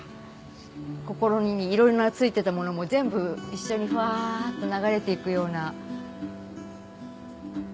心にいろんなついてたものも全部一緒にフワっと流れていくような。